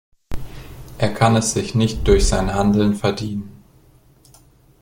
Er kann es sich nicht durch sein Handeln verdienen.